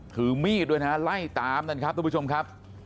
ถือมีดด้วยนะฮะไล่ตามนั่นครับทุกผู้ชมครับ